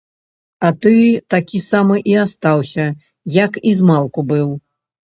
А ты такі самы і астаўся, як і змалку быў.